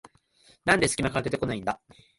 なんですき間から出てこないんだ